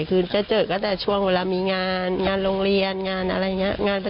คือจะเจอก็แต่ช่วงเวลามีงานงานโรงเรียนงานอะไรอย่างนี้